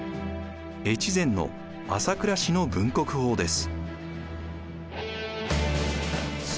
越前の朝倉氏の分国法です。